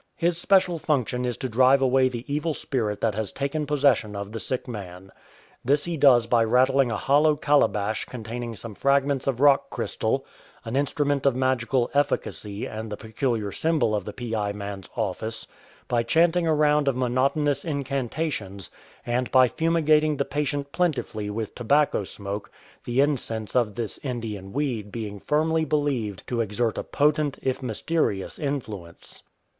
His special function is to drive away the evil spirit that has taken possession of the sick man. This he does by rattling a hollow calabash containing some fragments of rock crystal — an instrument of magical efficacy and the peculiar symbol of the piai man's office, by chanting a round of monotonous incanta tions, and by fumigating the patient plentifully with tobacco smoke, the incense of this " Indian weed " being firmly believed to exert a potent if mysterious influence.